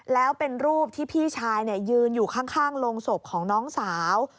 แล้วเป็นรูปที่พี่ชายยืนอยู่ข้างโรงศพของน้องสาว